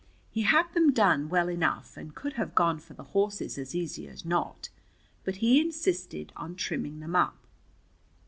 He had them done well enough, and could have gone for the horses as easy as not, but he insisted on trimming them up.